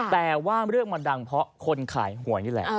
แต่ว่าเรื่องมันดังเพราะคนขายหวยนี่แหละ